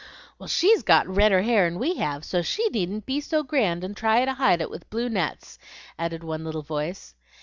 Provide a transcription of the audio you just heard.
"Well, she's got redder hair 'n' we have, so she needn't be so grand and try to hide it with blue nets," added one little voice.